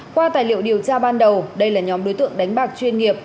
qua tài liệu điều tra ban đầu đây là nhóm đối tượng đánh bạc chuyên nghiệp